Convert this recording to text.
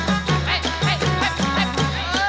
โอ้โหโอ้โหโอ้โห